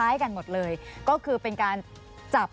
สวัสดีครับ